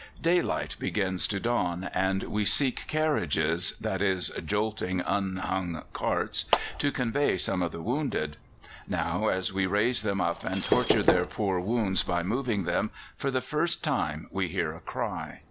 Daylight begins to dawn, and we seek carriages that is, jolting unhung carts to convey some of the wounded. Now, as we raise them up and torture their poor wounds by moving them, for the first time we hear a cry.